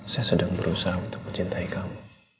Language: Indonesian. saya sedang berusaha untuk mencintai kamu